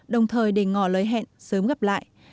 đồng thời đề ngò lời hẹn sớm gặp lại